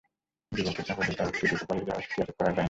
যুবককে চাপা দিয়ে ট্রাকটি দ্রুত পালিয়ে যাওয়ায় সেটি আটক করা যায়নি।